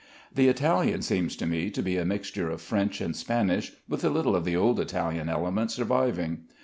The Italian seems to me to be a mixture of French and Spanish, with a little of the old Italian element surviving.